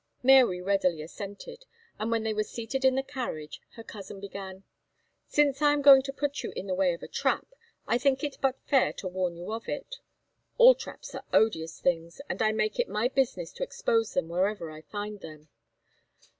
Mary readily assented; and when they were seated in the carriage, her cousin began "Since I am going to put you in the way of a trap, I think it but fair to warn you of it. All traps are odious things, and I make it my business to expose them wherever I find them.